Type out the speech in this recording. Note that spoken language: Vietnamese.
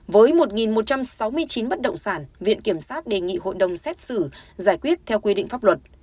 với một một trăm sáu mươi chín bất động sản viện kiểm sát đề nghị hội đồng xét xử giải quyết theo quy định pháp luật